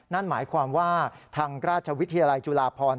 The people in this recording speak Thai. นั่นหมายความว่าทางราชวิทยาลัยจุฬาพร